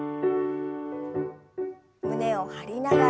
胸を張りながら。